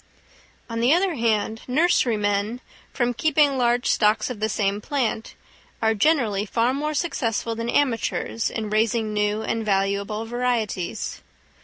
On the other hand, nurserymen, from keeping large stocks of the same plant, are generally far more successful than amateurs in raising new and valuable varieties.